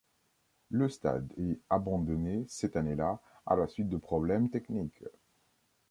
Le stade est abandonné cette année-là à la suite de problèmes techniques.